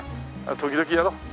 時々やろう。